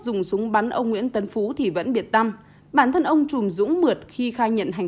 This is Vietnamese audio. dùng súng bắn ông nguyễn tấn phú thì vẫn biệt tâm bản thân ông trùm dũng mượt khi khai nhận hành